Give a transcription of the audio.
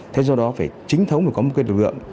thế do đó phải chính thống có một lực lượng